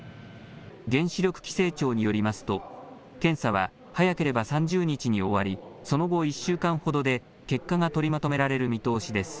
原子力規制庁によりますと、検査は早ければ３０日に終わり、その後、１週間ほどで結果が取りまとめられる見通しです。